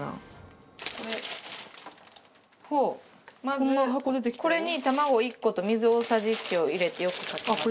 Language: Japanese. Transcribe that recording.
まずこれに卵１個と水大さじ１を入れてよくかき混ぜると。